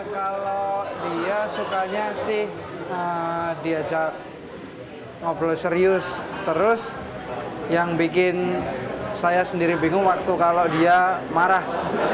kalau dia sukanya sih diajak ngobrol serius terus yang bikin saya sendiri bingung waktu kalau dia marah